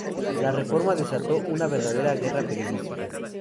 La reforma desató una verdadera guerra periodística.